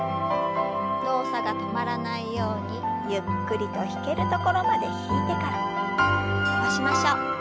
動作が止まらないようにゆっくりと引けるところまで引いてから伸ばしましょう。